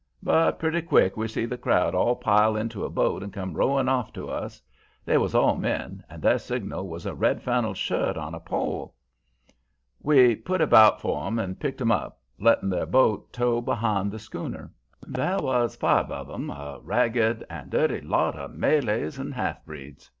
"But pretty quick we see the crowd all pile into a boat and come rowing off to us. They was all men, and their signal was a red flannel shirt on a pole. "We put about for 'em and picked 'em up, letting their boat tow behind the schooner. There was five of 'em, a ragged and dirty lot of Malays and half breeds.